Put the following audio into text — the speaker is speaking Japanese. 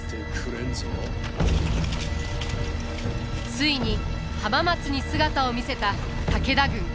ついに浜松に姿を見せた武田軍。